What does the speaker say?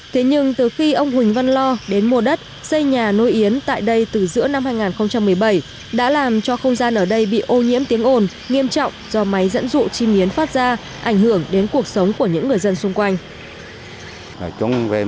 thế nhưng từ khi ông huỳnh văn lo đến mua đất xây nhà nuôi yến tại đây từ giữa năm hai nghìn một mươi bảy đã làm cho không gian ở đây bị ô nhiễm tiếng ồn nghiêm trọng do máy dẫn dụ chim yến phát ra ảnh hưởng đến cuộc sống của những người dân xung quanh